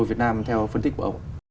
việt nam theo phân tích của ông